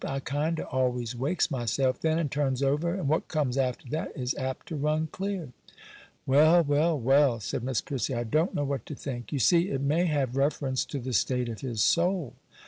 I kinder always wakes myself then, and turns over, and what comes after that is apt to run clear.' 'Well! well! well!' said Miss Prissy, 'I don't know what to think. You see, it may have reference to the state of his soul.